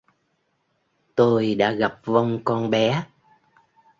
Tôi đã gặp vong con bé